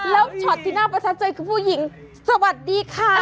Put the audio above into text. แล้วช็อตที่น่าประทับใจคือผู้หญิงสวัสดีค่ะ